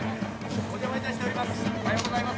お邪魔いたしております